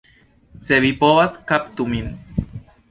Se vi povas, kaptu min!